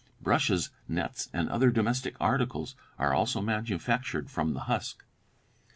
Brushes, nets and other domestic articles are also manufactured from the husk.